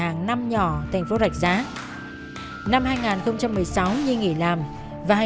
hàng năm nhỏ thành phố rạch giá năm hai nghìn một mươi sáu như nghỉ làm và hành nghiệp tự nhiên được phát triển